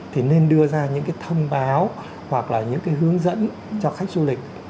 thì nên đưa ra những cái thông báo hoặc là những cái hướng dẫn cho khách du lịch